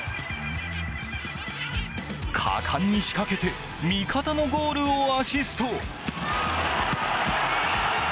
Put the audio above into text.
果敢に仕掛けて味方のゴールをアシスト。